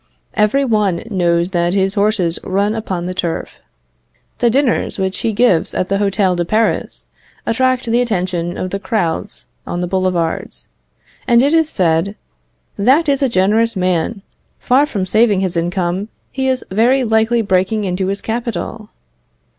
Every one knows that his horses run upon the turf. The dinners which he gives at the Hotel de Paris attract the attention of the crowds on the Boulevards; and it is said, "That is a generous man; far from saving his income, he is very likely breaking into his capital."